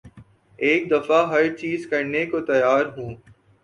ایک دفعہ ہر چیز کرنے کو تیار ہوں